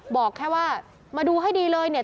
บอกแค่ว่ามาดูให้ดีเลยเนี่ย